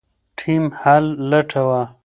ټیم حل لټاوه.